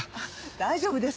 大丈夫です。